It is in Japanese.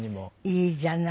いいじゃない。